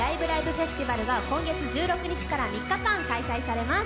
フェスティバルが今月１６日から３日間、開催されます。